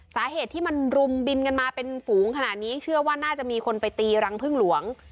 สาเหตุที่มันรุมบินกันมาเป็นฝูงขนาดนี้เชื่อว่าน่าจะมีคนไปตีรังพึ่งหลวง